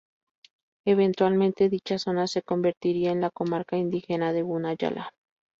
Eventualmente, dicha zona se convertiría en la comarca indígena de Guna Yala.